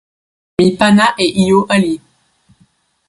mi pana e ijo ali.